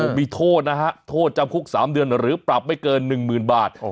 มีโทษนะฮะโทษจำคุก๓เดือนหรือปรับไม่เกิน๑๐๐๐บาท